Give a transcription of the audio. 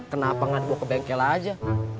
kenapa gak mau ke bengkel aja